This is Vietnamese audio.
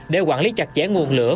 để quản lý chặt chẽ nguồn lửa